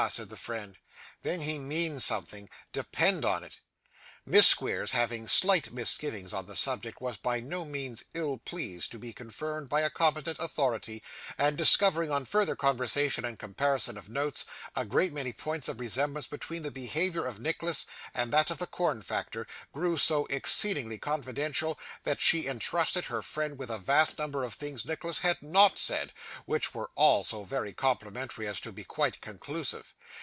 said the friend, 'then he means something, depend on it.' Miss Squeers, having slight misgivings on the subject, was by no means ill pleased to be confirmed by a competent authority; and discovering, on further conversation and comparison of notes, a great many points of resemblance between the behaviour of Nicholas, and that of the corn factor, grew so exceedingly confidential, that she intrusted her friend with a vast number of things Nicholas had NOT said, which were all so very complimentary as to be quite conclusive.